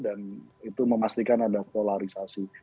dan itu memastikan ada polarisasi